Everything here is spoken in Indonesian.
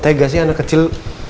kok tega sih anak kecil